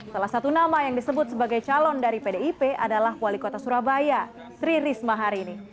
salah satu nama yang disebut sebagai calon dari pdip adalah wali kota surabaya sri risma hari ini